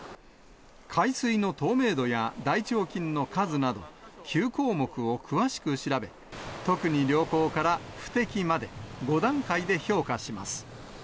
海水の透明度や大腸菌の数など、９項目を詳しく調べ、特に良好から、不適まで、５段階で評価します。